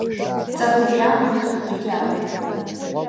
Ҵабриа Мыҷ Џьгьарда…